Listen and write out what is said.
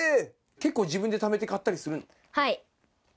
結構、自分でためて買ったりするの？